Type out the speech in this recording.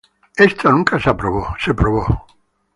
Esto nunca se probó.